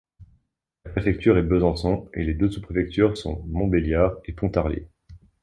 La préfecture est Besançon et les deux sous-préfectures sont Montbéliard et Pontarlier.